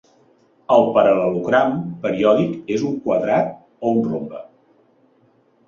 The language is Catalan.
El paral·lelogram periòdic és un quadrat o un rombe.